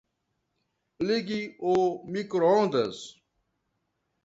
Ligue o microondas